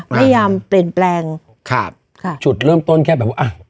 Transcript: พยายามเปลี่ยนแปลงครับค่ะจุดเริ่มต้นแค่แบบว่าอ่ะ